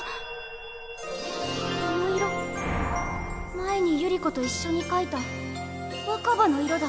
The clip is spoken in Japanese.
前に百合子といっしょに描いた若葉の色だ。